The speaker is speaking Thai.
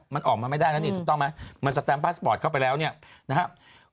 มันออกมาไม่ได้แล้วนี่ถูกต้องไหมมันสแตมพาสปอร์ตเข้าไปแล้วเนี่ยนะครับ